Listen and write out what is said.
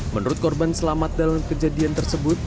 menurut korban selamat dalam kejadian tersebut